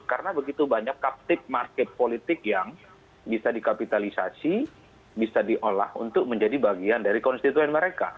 karena begitu banyak kaptive market politik yang bisa dikapitalisasi bisa diolah untuk menjadi bagian dari konstituen mereka